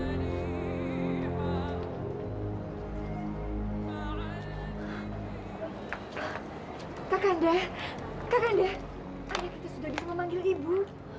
ayah kita sudah bisa memanggil ibu